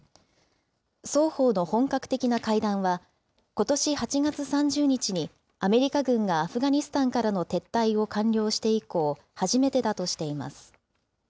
双方の本格的な会談は、ことし８月３０日に、アメリカ軍がアフガニスタンからの撤退を完了して以降、初めてだとしています。